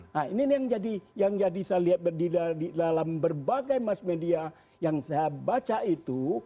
nah ini yang jadi saya lihat di dalam berbagai mass media yang saya baca itu